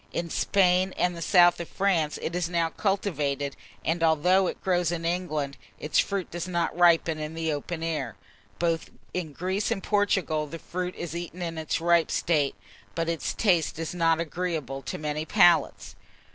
In Spain and the south of France it is now cultivated; and although it grows in England, its fruit does not ripen in the open air. Both in Greece and Portugal the fruit is eaten in its ripe state; but its taste is not agreeable to many palates.